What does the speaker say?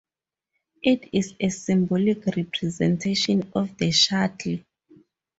It is a symbolic representation of the shuttle.